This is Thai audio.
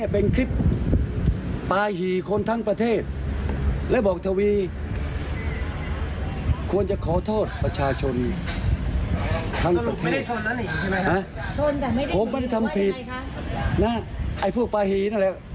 ผมไม่ได้ทำผิดนะไอ้พวกปลาหีนั่นแหละ